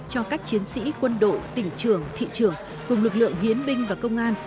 cho các chiến sĩ quân đội tỉnh trường thị trường cùng lực lượng hiến binh và công an